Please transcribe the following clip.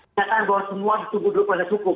nyatakan bahwa semua ditunggu dulu proses hukum